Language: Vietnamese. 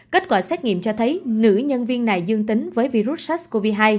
kết quả xét nghiệm cho thấy nữ nhân viên này dương tính với virus sars cov hai